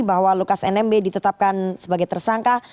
bahwa lukas nmb ditetapkan sebagai tersangka